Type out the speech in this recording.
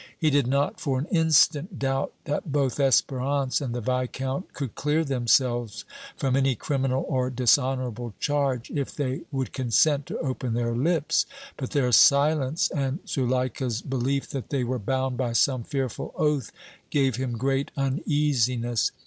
He did not for an instant doubt that both Espérance and the Viscount could clear themselves from any criminal or dishonorable charge, if they would consent to open their lips, but their silence and Zuleika's belief that they were bound by some fearful oath gave him great uneasiness.